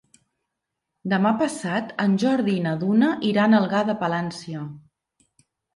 Demà passat en Jordi i na Duna iran a Algar de Palància.